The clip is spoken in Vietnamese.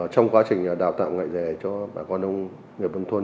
trong quá trình đào tạo nghề cho bà con nông nghiệp nông thôn